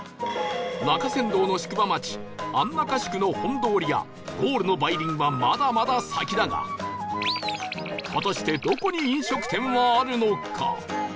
中山道の宿場町安中宿の本通りやゴールの梅林はまだまだ先だが果たしてどこに飲食店はあるのか？